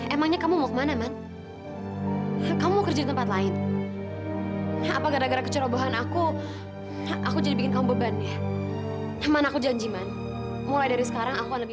orang itu memang kenal dengan suami tante